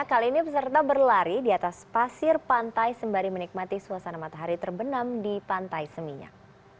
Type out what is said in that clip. kali ini peserta berlari di atas pasir pantai sembari menikmati suasana matahari terbenam di pantai seminyak